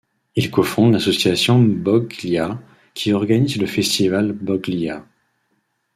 Il co-fonde l’association Mbog-lia qui organise le festival Mbog Liaa.